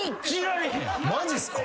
マジっすか？